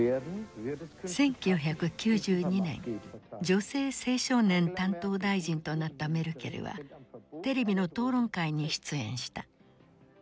女性・青少年担当大臣となったメルケルはテレビの討論会に出演した。